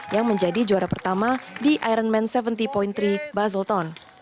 yang menjadi juara pertama di ironman tujuh puluh tiga baselton